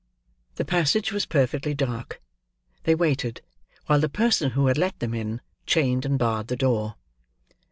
The passage was perfectly dark. They waited, while the person who had let them in, chained and barred the door.